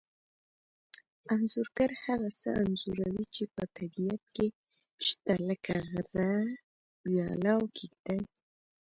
انځورګر هغه څه انځوروي چې په طبیعت کې شته لکه غره ویاله او کېږدۍ